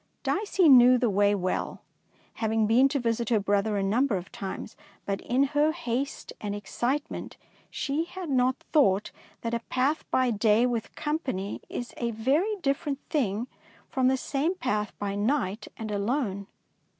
Dicey knew the way well, having been to visit her brother a number of times. But in her haste and excitement she 248 DICEY LANGSTON had not thought that a path by day with company is a very different thing from the same path by night and alone.